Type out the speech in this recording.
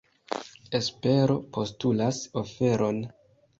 Espero postulas oferon.